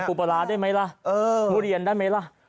ต้มกุปราได้ไหมล่ะมูเรียนได้ไหมล่ะ